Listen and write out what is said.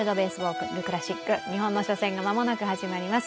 クラシック、日本の初戦が間もなく始まります。